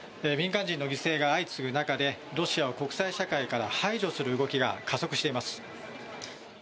民間人の犠牲が相次ぐ中でロシアを国際社会から排除する動きが加速しています。